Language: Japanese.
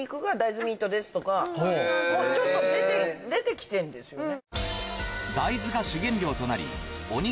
ちょっと出てきてるんですよね。